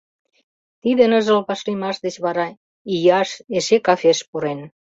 Тиде ныжыл вашлиймаш деч вара Ийаш эше кафеш пурен.